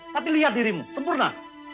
tapi lihat dirimu sempurna